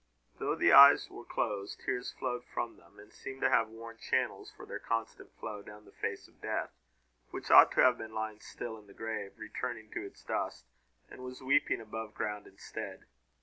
Though the eyes were closed, tears flowed from them; and seemed to have worn channels for their constant flow down this face of death, which ought to have been lying still in the grave, returning to its dust, and was weeping above ground instead.